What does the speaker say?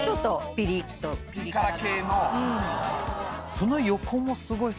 その横もすごい。